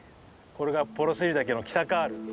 これが幌尻岳の北カール。